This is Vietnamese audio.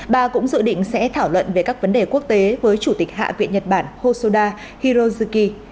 bà cũng dự định sẽ thảo luận về các vấn đề quốc tế với chủ tịch hạ viện nhật bản hoda hirozuki